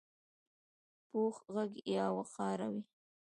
پوخ غږ باوقاره وي